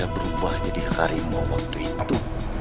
sakti bisa berubah jadi harimau waktu itu